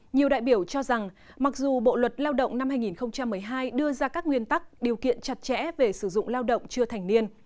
nhiều đại biểu cho rằng mặc dù bộ luật lao động năm hai nghìn một mươi hai đưa ra các nguyên tắc điều kiện chặt chẽ về sử dụng lao động chưa thành niên